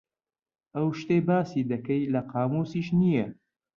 ئەو شتەی باسی دەکەی لە قامووسیش نییە.